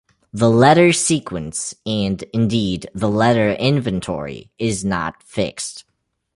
The letter sequence, and indeed the letter inventory is not fixed.